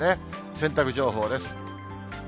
洗濯情報です。